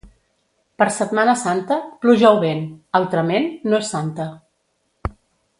Per Setmana Santa, pluja o vent; altrament, no és santa.